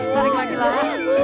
tarik lagi lah